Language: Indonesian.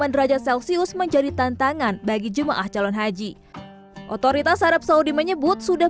empat puluh lima derajat celsius menjadi tantangan bagi jemaah calon haji otoritas arab saudi menyebut sudah